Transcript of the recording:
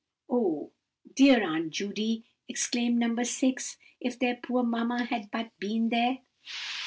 "Oh, dear Aunt Judy," exclaimed No. 6, "if their poor mamma had but been there!"